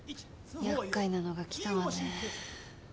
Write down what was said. やっかいなのが来たわね。